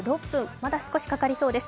まだ少しかかりそうです。